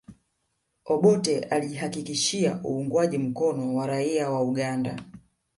Obote alijihakikishia uungwaji mkono wa raia wa Uganda